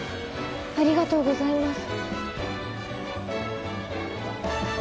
ありがとうございます。